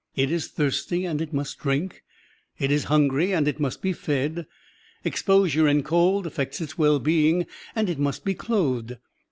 It is thirsty and it must drink; it is htmgry and it must be fed. Exposure in cold affects its well being and it must be clothed.